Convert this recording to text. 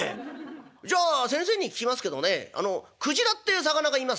じゃあ先生に聞きますけどもねくじらっていう魚がいますね」。